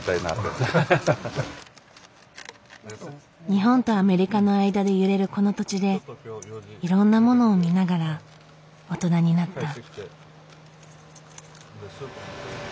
日本とアメリカの間で揺れるこの土地でいろんなものを見ながら大人になった。